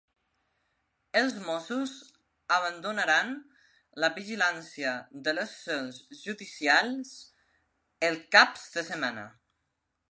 Els Mossos abandonaran la vigilància de les seus judicials els caps de setmana